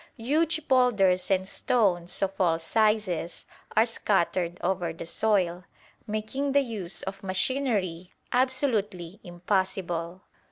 Huge boulders and stones of all sizes are scattered over the soil, making the use of machinery absolutely impossible.